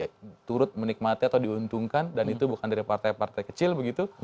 kita turut menikmati atau diuntungkan dan itu bukan dari partai partai kecil begitu